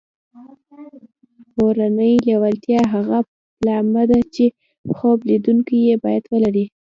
اورنۍ لېوالتیا هغه پیلامه ده چې خوب لیدونکي یې باید ولري